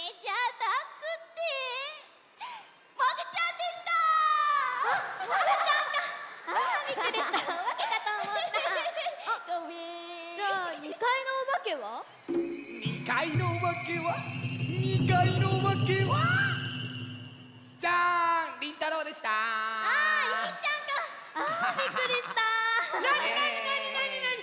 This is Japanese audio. なになになになになに？